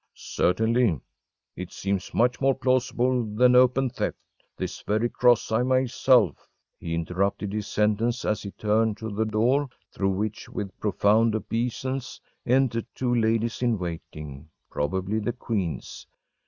‚ÄĚ “Certainly. It seems much more plausible than open theft. This very cross I myself ‚ÄĚ He interrupted his sentence as he turned to the door, through which, with profound obeisances, entered two ladies in waiting probably the queen’s.